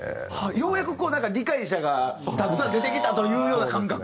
ようやくこうなんか理解者がたくさん出てきたというような感覚？